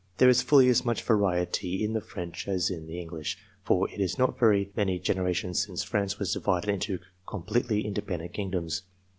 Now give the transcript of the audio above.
There is fully as much variety in the French as in the English, for it is not very many generations since France ACCORDING TO THEIR NATURAL GIFTS 27 was divided into completely independent kingdoms.